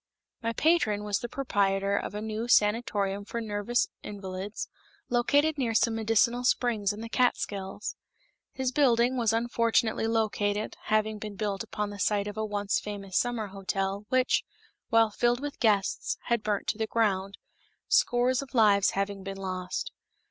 My patron was the proprietor of a new sanatorium for nervous invalids, located near some medicinal springs in the Catskills. His building was unfortunately located, having been built upon the site of a once famous summer hotel, which, while filled with guests, had burnt to the ground, scores of lives having been lost.